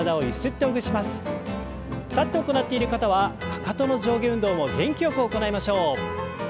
立って行っている方はかかとの上下運動も元気よく行いましょう。